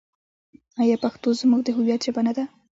آیا پښتو زموږ د هویت ژبه نه ده؟